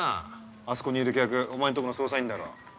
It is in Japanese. あそこにいる客お前んとこの捜査員だろ。